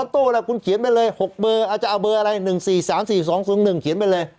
ตู้ล่ะคุณเขียนไปเลย๖เบอร์จะเอาเบอร์อะไร๑๔๓๔๒๐๑เขียนไปเลย